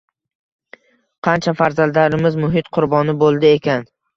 Qancha farzandlarimiz muhit qurboni boʻldi ekan?